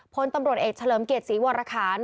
พลตำรวจเอกเฉลิมเกียรติศรีวรคาร